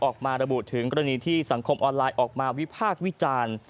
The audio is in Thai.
ออกมาระบุถึงกรณีที่สังคมออนไลน์ออกมาวิพากษ์วิจารณ์